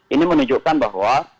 ini menunjukkan bahwa